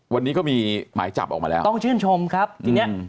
วันนี้ก็มีหมายจับออกมาแล้วต้องชื่นชมครับทีเนี้ย